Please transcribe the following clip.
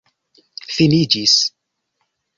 finiĝis